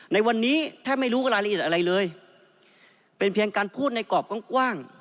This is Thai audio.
ในวันนี้แทบไม่รู้รายละเอียดอะไรเลยเป็นเพียงการพูดในกรอบกว้าง